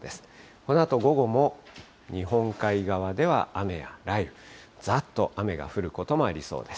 このあと午後も、日本海側では雨や雷雨、ざーっと雨が降ることもありそうです。